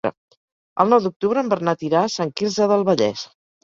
El nou d'octubre en Bernat irà a Sant Quirze del Vallès.